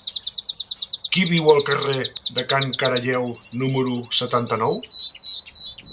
Qui viu al carrer de Can Caralleu número setanta-nou?